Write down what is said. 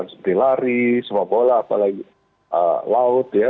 seperti lari sepak bola apalagi laut ya